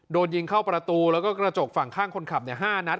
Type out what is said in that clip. โดนยิงเข้าประตูแล้วก็กระจกฝั่งข้างคนขับ๕นัด